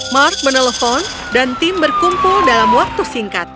mark menelpon dan tim berkumpul dalam waktu singkat